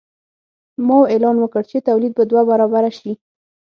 ماوو اعلان وکړ چې تولید به دوه برابره شي.